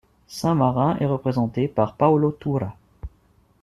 Saint-Marin est représenté par Paolo Tura.